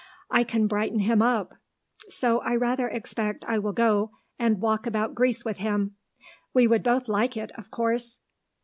I can brighten him up. So I rather expect I will go, and walk about Greece with him. We would both like it, of course."